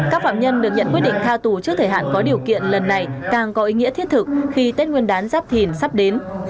các phạm nhân được nhận quyết định tha tù trước thời hạn có điều kiện lần này càng có ý nghĩa thiết thực khi tết nguyên đán giáp thìn sắp đến